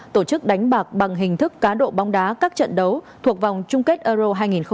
tổ chức đánh bạc bằng hình thức cá độ bóng đá các trận đấu thuộc vòng chung kết euro hai nghìn hai mươi